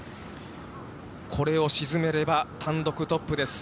これを沈めれば、単独トップです。